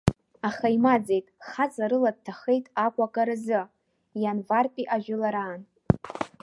Аха имаӡеит, хаҵарыла дҭахеит Аҟәа агаразы, ианвартәи ажәылараан.